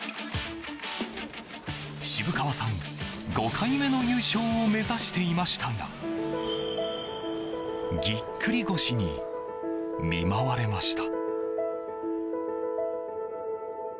渋川さん、５回目の優勝を目指していましたがぎっくり腰に見舞われました。